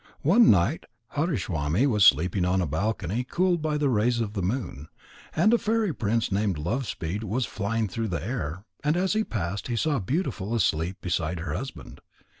One night Hariswami was sleeping on a balcony cooled by the rays of the moon. And a fairy prince named Love speed was flying through the air, and as he passed he saw Beautiful asleep beside her husband.